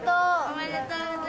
おめでとうな。